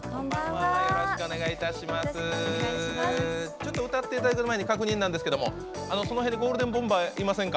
ちょっと歌っていただく前に確認ですがその辺にゴールデンボンバーはいませんか？